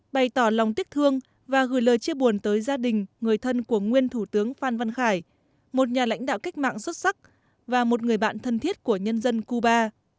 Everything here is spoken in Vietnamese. bày tỏ lòng tiếc thương và gửi lời chia buồn tới gia đình người thân của nguyên thủ tướng phan văn khải một nhà lãnh đạo cách mạng xuất sắc và một người bạn thân thiết của nhân dân cuba